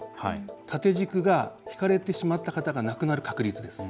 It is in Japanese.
縦軸がひかれてしまった方が亡くなる確率です。